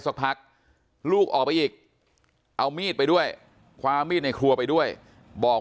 สักพักลูกออกไปอีกเอามีดไปด้วยความมีดในครัวไปด้วยบอก